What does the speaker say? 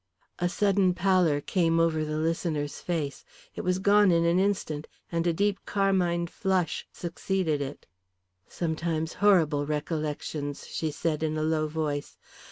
A sudden pallor came over the listener's face, it was gone in an instant, and a deep carmine flush succeeded it. "Sometimes horrible recollections," she said in a low voice.